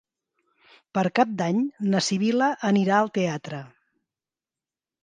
Per Cap d'Any na Sibil·la anirà al teatre.